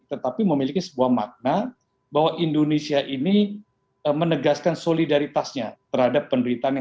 tetapi memiliki sebuah makna bahwa indonesia ini menegaskan solidaritasnya terhadap penderitaan yang